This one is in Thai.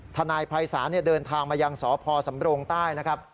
ทนายภัยศาลเดินทางมายังสพสำรงใต้นะครับ